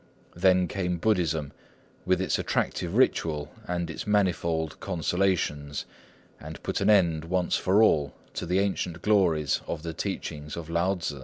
Then came Buddhism, with its attractive ritual and its manifold consolations, and put an end once for all to the ancient glories of the teachings of Lao Tzŭ.